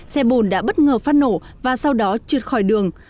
xe bồn đã bất ngờ phát nổ và sau đó trượt khỏi đường